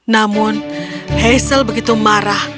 namun hazel begitu marah